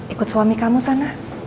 ikut suami kamu sana